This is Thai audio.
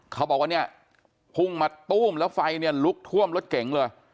เขาบอกว่าเนี่ยพุ่งมาตู้มแล้วไฟเนี่ยลุกท่วมรถเก๋งเลย